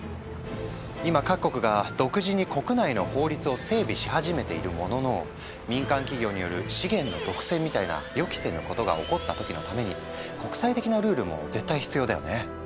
今各国が独自に国内の法律を整備し始めているものの民間企業による資源の独占みたいな予期せぬことが起こった時のために国際的なルールも絶対必要だよね。